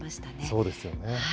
そうですよね。